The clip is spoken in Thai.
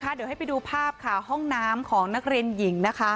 เดี๋ยวให้ไปดูภาพค่ะห้องน้ำของนักเรียนหญิง